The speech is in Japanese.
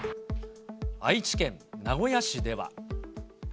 愛知県名古屋市では。